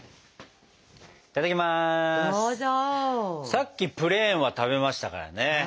さっきプレーンは食べましたからね。